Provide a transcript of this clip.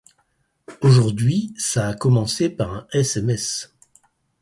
Aujourd'hui ça a commencé par un sms.